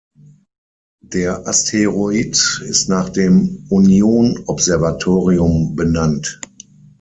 Der Asteroid ist nach dem Union-Observatorium benannt.